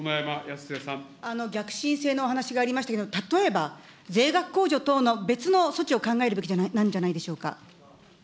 逆進性のお話がありましたけど、例えば税額控除等の別の措置を考えるべきなんじゃないでしょうか。